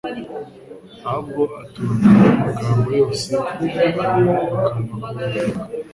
ahubwo aturugwa n'amagambo yose aya mu kanwa k'Uwiteka'.»